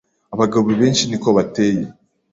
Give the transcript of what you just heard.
Abagabo benshi niko bateye